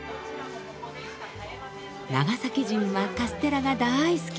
長崎人はカステラが大好き。